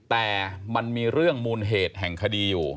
แต่มันมีเรื่องมูลเหตุแห่งคดีอยู่